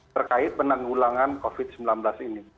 terkait penanggulangan covid sembilan belas ini